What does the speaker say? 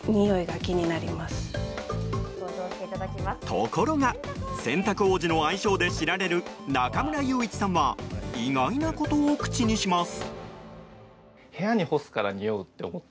ところが洗濯王子の愛称で知られる中村祐一さんは意外なことを口にします。